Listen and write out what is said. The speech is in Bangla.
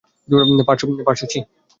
পারাসু - ছিহ!